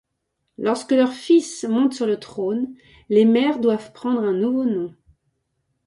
Lorsque leurs fils montent sur le trône, les mères doivent prendre un nouveau nom.